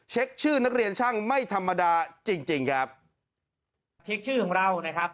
ชื่อนักเรียนช่างไม่ธรรมดาจริงจริงครับเช็คชื่อของเรานะครับ